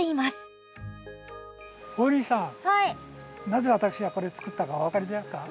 なぜ私がこれ作ったかお分かりですか？